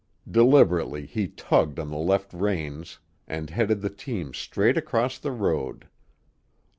Deliberately he tugged on the left reins and headed the team straight across the road.